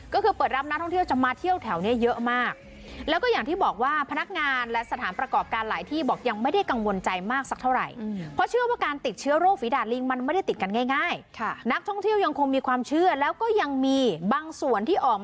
ก็คือเปิดรับนะท่องเที่ยวจะมาเที่ยวแถวนี้เยอะมาก